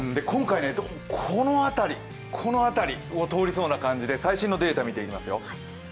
今回、この辺りを通りそうな感じで、最新のデータを見ていきますよ。